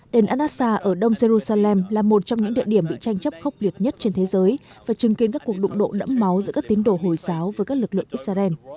đền aasa ở đông jerusalem là một trong những địa điểm bị tranh chấp khốc liệt nhất trên thế giới và chứng kiến các cuộc đụng độ đẫm máu giữa các tín đồ hồi giáo với các lực lượng israel